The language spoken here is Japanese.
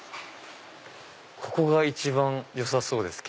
ここが一番よさそうです